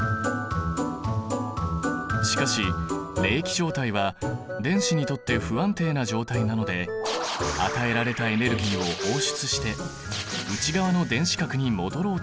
しかし励起状態は電子にとって不安定な状態なので与えられたエネルギーを放出して内側の電子殻に戻ろうとする。